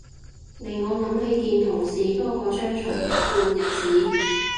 令我諗起見同事多過張牀嘅黑暗日子